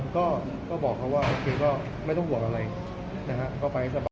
ก็บอกเขาว่าโอเคไม่ต้องห่วงอะไรนะครับก็ไปสบาย